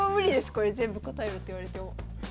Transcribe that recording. これ全部答えろって言われても。